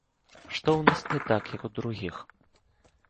Што ў нас не так, як у другіх?